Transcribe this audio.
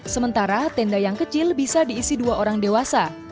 sementara tenda yang kecil bisa diisi dua orang dewasa